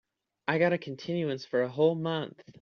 I got a continuance for a whole month.